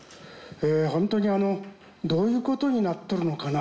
本当にどういうことになっとるのかなと。